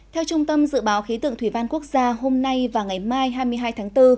theo trung tâm dự báo khí tượng thủy văn quốc gia hôm nay và ngày mai hai mươi hai tháng bốn